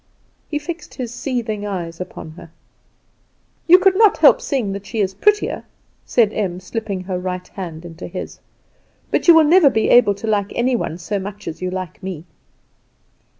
He fixed his seething eyes upon her. "You could not help seeing that she is prettier," said Em, slipping her right hand into his; "but you will never be able to like any one so much as you like me."